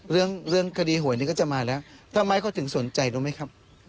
เรื่องเรื่องคดีหวยนี้ก็จะมาแล้วทำไมเขาถึงสนใจรู้ไหมครับ